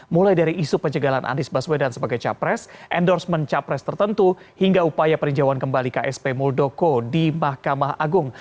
mulai dari isu penjagalan anies baswedan sebagai capres endorsement capres tertentu hingga upaya perinjauan kembali ksp muldoko di mahkamah agung